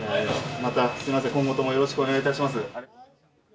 またすみません、今後ともよろしくお願いいたします。